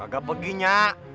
gak pergi nge